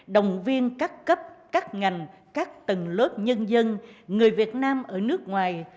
đồng viên các cấp các ngành các tầng lớp nhân dân người việt nam ở nước ngoài